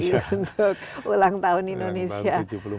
untuk ulang tahun indonesia tujuh puluh empat